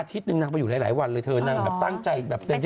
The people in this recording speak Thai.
นางไปอยู่หลายวันเลยเธอนางแบบตั้งใจแบบเต็มที่